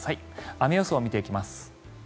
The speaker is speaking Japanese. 雨予想を見ていきます。